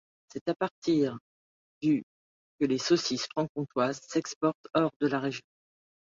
C’est à partir du que les saucisses franc-comtoises s’exportent hors de la région.